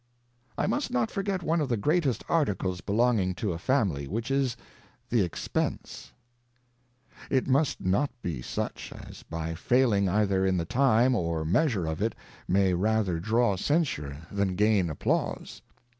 I must not forget one of the greatest Articles belonging to a Family, which is the Expence. It must not be such, as by failing either in the Time or measure of it, may rather draw Censure HUSBAND. 25 Censure than gain Applause.